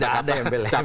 tidak ada embel embel